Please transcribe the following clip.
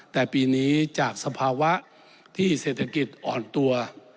แต่ปีนี้จากสภาวะที่เศรษฐกิจอ่อนตัว